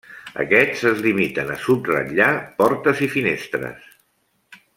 Aquests es limiten a subratllar portes i finestres.